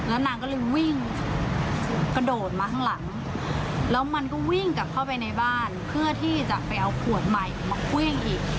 แล้วนางก็เลยวิ่งกระโดดมาข้างหลังแล้วมันก็วิ่งกลับเข้าไปในบ้านเพื่อที่จะไปเอาขวดใหม่มาเครื่องอีก